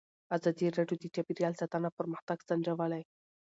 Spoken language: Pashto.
ازادي راډیو د چاپیریال ساتنه پرمختګ سنجولی.